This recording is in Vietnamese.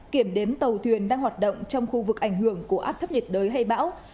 kiểm đếm tàu thuyền đang hoạt động trong khu vực ảnh hưởng của áp thấp nhiệt đới hay bão